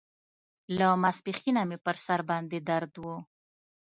له ماسپښينه مې پر سر باندې درد و.